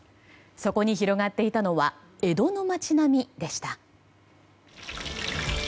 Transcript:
そこに広がっていたのは江戸の街並みでした。